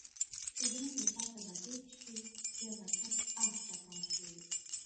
چې زموږ له پاسه به تېرې شوې، بیا به چپ اړخ ته تاو شوې.